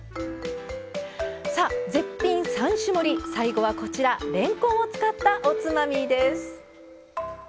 絶品３種盛り、最後はれんこんを使ったおつまみです。